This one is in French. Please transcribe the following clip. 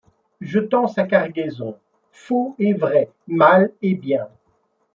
Jetant sa cargaison, faux et vrai, mal et bien